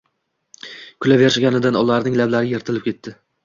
Kulaverishganidan ularning lablari yirtilib ketibdi